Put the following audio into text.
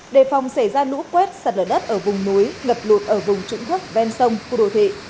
đề phòng xảy ra lũ quét sặt lở đất ở vùng núi lập lụt ở vùng trụng thức ven sông khu đồ thị